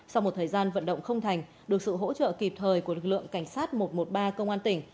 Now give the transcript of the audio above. sau một thời gian vận động không thành được sự hỗ trợ kịp thời của lực lượng cảnh sát một trăm một mươi ba công an tỉnh